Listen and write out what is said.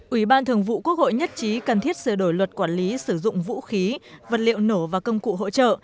ủy ban thường vụ quốc hội nhất trí cần thiết sửa đổi luật quản lý sử dụng vũ khí vật liệu nổ và công cụ hỗ trợ